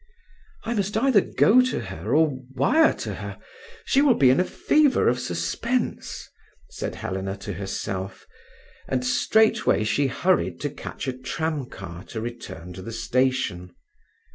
"I must either go to her, or wire to her. She will be in a fever of suspense," said Helena to herself, and straightway she hurried to catch a tramcar to return to the station.